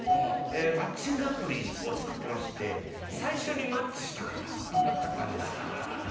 マッチングアプリを使ってまして最初にマッチした方なんですよ